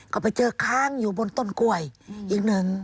ก็ไปเจอค้างอยู่บนต้นกล้วยอีกหนึ่ง